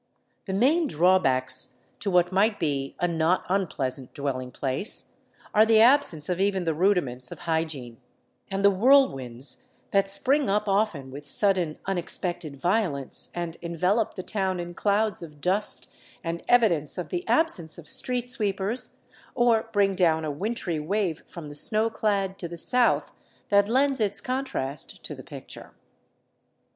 The main drawbacks to what might be a not un pleasant dwelling place are the absence of even the rudiments of hy giene, and the whirlwinds that spring up often with sudden, unex pected violence and envelop the town in clouds of dust and evidence of the absence of street sweepers, or bring down a wintry wave from the snowclad to the south that lends its contrast to the picture.